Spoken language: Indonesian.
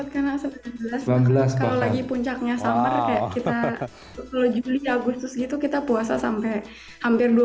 kalau lagi puncaknya summer kalau juli agustus kita puasa sampai hampir dua puluh jam